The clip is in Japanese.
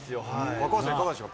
赤星さん、いかがでしょう。